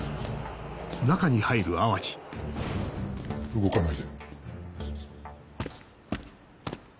動かないで。